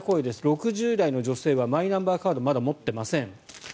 ６０代の女性はマイナンバーカードまだ持っていません。